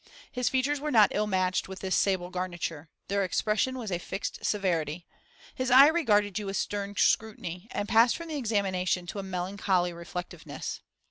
His features were not ill matched with this sable garniture; their expression was a fixed severity; his eye regarded you with stern scrutiny, and passed from the examination to a melancholy reflectiveness.